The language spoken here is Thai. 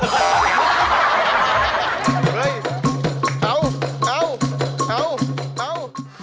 เฮ้ยเอาเอาเอาเอา